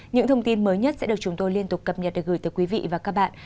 những thông tin mới nhất sẽ được chúng tôi liên tục cập nhật được gửi tới quý vị và các bạn